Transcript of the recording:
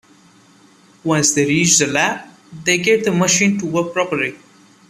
Once they reach the lab, they get the machine to work properly.